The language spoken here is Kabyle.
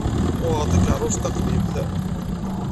Uɣeɣ-d takerrust taqdimt.